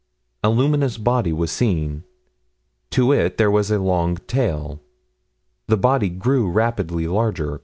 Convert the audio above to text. A luminous body was seen. To it there was a long tail. The body grew rapidly larger.